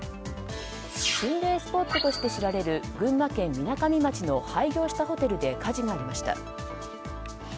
心霊スポットとして知られる群馬県みなかみ町の廃業したホテルで火事がありました。